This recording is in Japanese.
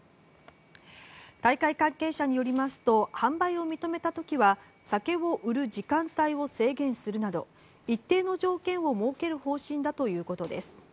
大会関係者によりますと販売を認めた時は酒を売る時間帯を制限するなど一定の条件を設ける方針だということです。